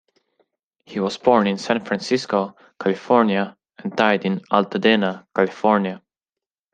He was born in San Francisco, California and died in Altadena, California.